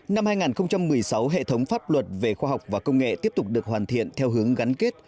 năm hai nghìn một mươi sáu hệ thống pháp luật về khoa học và công nghệ tiếp tục được hoàn thiện theo hướng gắn kết